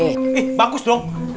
eh bagus dong